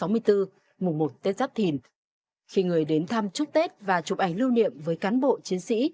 mùng một tết giáp thìn khi người đến thăm chúc tết và chụp ảnh lưu niệm với cán bộ chiến sĩ